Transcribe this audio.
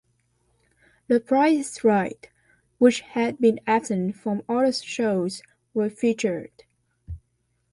"The Price Is Right", which had been absent from other shows, was featured.